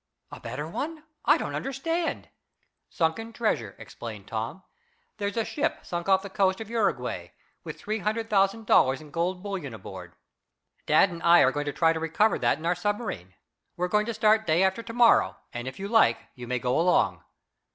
"A better one? I don't understand." "Sunken treasure," explained Tom. "There's a ship sunk off the coast of Uruguay, with three hundred thousand dollars in gold bullion aboard. Dad and I are going to try to recover that in our submarine. We're going to start day after to morrow, and, if you like, you may go along."